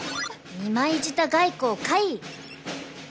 二枚舌外交かい！